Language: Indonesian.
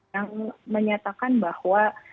yang menyatakan bahwa